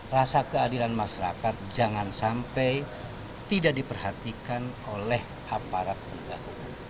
rasa keadilan masyarakat jangan sampai tidak diperhatikan oleh aparat juga